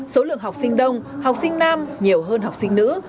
số lượng học sinh đông học sinh nam nhiều hơn học sinh nữ